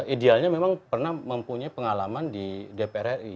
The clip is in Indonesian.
idealnya memang pernah mempunyai pengalaman di dpr ri